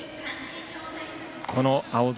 この青空。